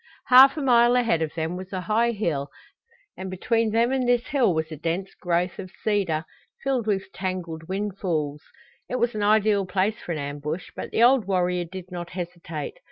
Half a mile ahead of them was a high hill and between them and this hill was a dense growth of cedar, filled with tangled windfalls. It was an ideal place for an ambush, but the old warrior did not hesitate.